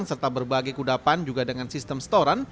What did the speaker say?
serta berbagai kudapan juga dengan sistem setoran